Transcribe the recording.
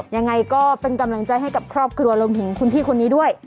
ยังไงก็เป็นกำลังใจให้กับครอบครัวรวมถึงคุณพี่คนนี้ด้วย